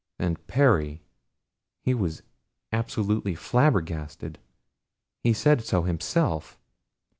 And Perry! He was absolutely flabbergasted. He said so himself.